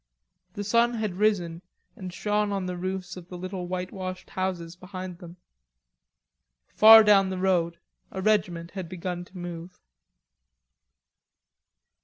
The sun had risen and shone on the roofs of the little whitewashed houses behind them. Far down the road a regiment had begun to move.